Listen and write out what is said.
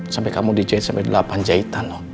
sampai kamu dijahit sampai delapan jahitan